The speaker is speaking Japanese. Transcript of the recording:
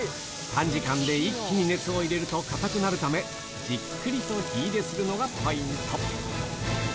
短時間で一気に熱を入れると硬くなるためじっくりと火入れするのがポイント